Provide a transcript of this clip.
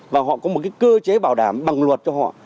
và họ có một cơ chế bảo đảm bằng luật cho họ